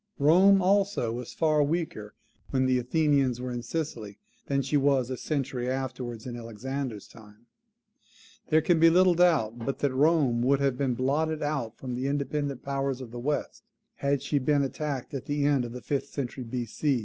Rome, also, was far weaker when the Athenians were in Sicily, than she was a century afterwards, in Alexander's time. There can be little doubt but that Rome would have been blotted out from the independent powers of the West, had she been attacked at the end of the fifth century B.C.